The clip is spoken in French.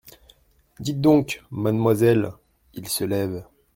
Dites donc, mademoiselle… il se lève…